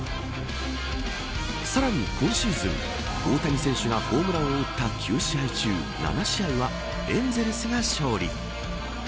さらに今シーズン、大谷選手がホームランを打った９試合中７試合は、エンゼルスが勝利。